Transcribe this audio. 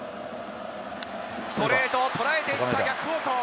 ストレートを捉えていった、逆方向。